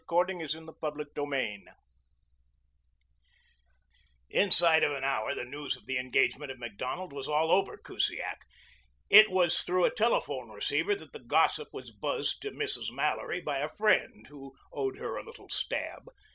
CHAPTER XIV GENEVIEVE MALLORY TAKES A HAND Inside of an hour the news of the engagement of Macdonald was all over Kusiak. It was through a telephone receiver that the gossip was buzzed to Mrs. Mallory by a friend who owed her a little stab.